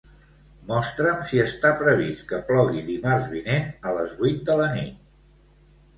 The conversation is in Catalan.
Mostra'm si està previst que plogui dimarts vinent a les vuit de la nit.